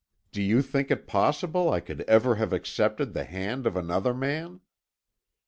Do you think it possible I could ever have accepted the hand of another man?